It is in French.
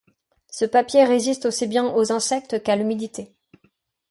Ce papier résiste aussi bien aux insectes qu'à l'humidité.